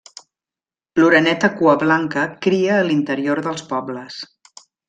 L'oreneta cuablanca cria a l'interior dels pobles.